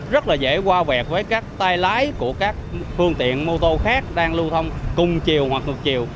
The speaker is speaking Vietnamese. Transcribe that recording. rất là dễ qua vẹt với các tay lái của các phương tiện mô tô khác đang lưu thông cùng chiều hoặc ngược chiều